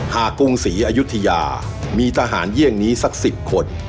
กรุงศรีอยุธยามีทหารเยี่ยงนี้สัก๑๐คน